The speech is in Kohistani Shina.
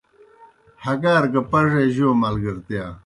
ہگار گہ پڙے جو ملگرتِیا